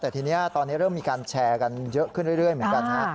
แต่ทีนี้ตอนนี้เริ่มมีการแชร์กันเยอะขึ้นเรื่อยเหมือนกันฮะ